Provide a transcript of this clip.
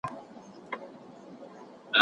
ټولنيز نظم بايد وساتل سي.